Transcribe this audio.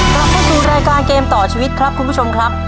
กลับเข้าสู่รายการเกมต่อชีวิตครับคุณผู้ชมครับ